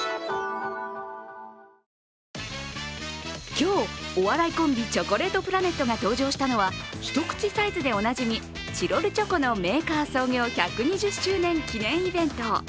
今日、お笑いコンビ、チョコレートプラネットが登場したのは、一口サイズでおなじみチロルチョコのメーカー創業１２０周年記念イベント。